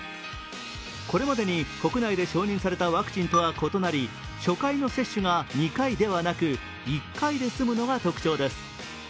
これまでに国内で承認されたワクチンとは異なり初回の接種が２回ではなく、１回で済むのが特徴です。